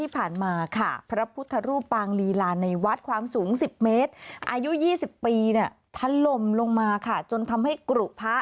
ไปแตกมาค่ะจนทำให้กรุพระ